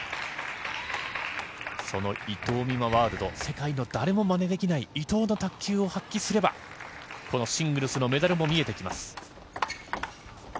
その伊藤美誠ワールド、世界の誰もまねできない伊藤の卓球を発揮すれば、このシングルスのメダルも見えてきます。